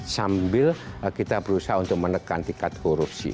sambil kita berusaha untuk menekan tingkat korupsi